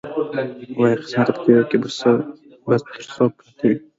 وایه قسمته په تېرو کې به تر څو پراته وي.